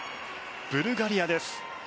ブルガリアです。